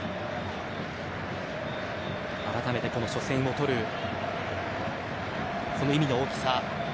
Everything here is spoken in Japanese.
改めて初戦をとるその意味の大きさ。